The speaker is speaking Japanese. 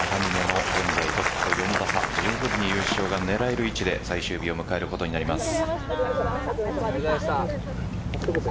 現在トップと４打差優勝が狙える位置で最終日を迎えることになります。